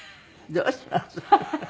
どうします？